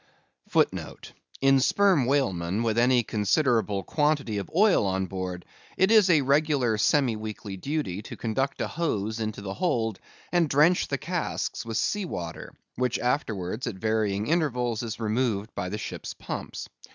* *In Sperm whalemen with any considerable quantity of oil on board, it is a regular semi weekly duty to conduct a hose into the hold, and drench the casks with sea water; which afterwards, at varying intervals, is removed by the ship's pumps.